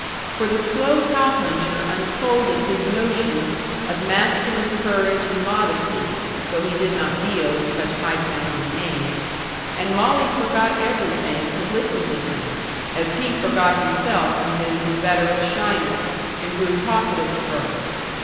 For the slow cow puncher unfolded his notions of masculine courage and modesty (though he did not deal in such high sounding names), and Molly forgot everything to listen to him, as he forgot himself and his inveterate shyness and grew talkative to her.